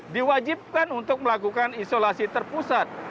diwajibkan untuk melakukan isolasi terpusat